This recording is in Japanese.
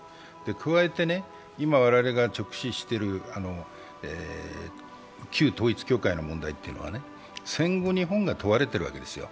加えて、今我々が直視している旧統一教会の問題というのは戦後日本が問われているわけですよ。